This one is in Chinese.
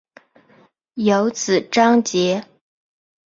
有子章碣。